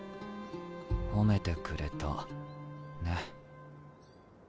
褒めてくれたね。